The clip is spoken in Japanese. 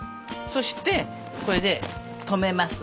そしてこれで止めます。